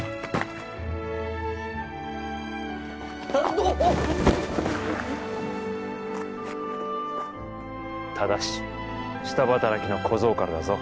おッただし下働きの小僧からだぞ